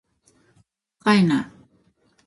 ほんまかいな